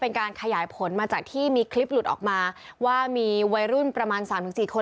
เป็นการขยายผลมาจากที่มีคลิปหลุดออกมาว่ามีวัยรุ่นประมาณ๓๔คน